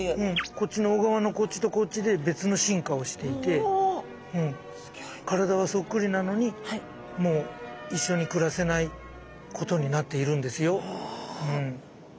こっちの小川のこっちとこっちで別の進化をしていて体はそっくりなのにもう一緒に暮らせないことになっているんですようん。